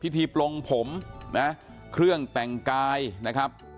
พิธีโปรงผมเครื่องแต่งกายนะครับ